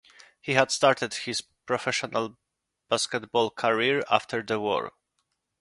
He had started his professional basketball career after the war.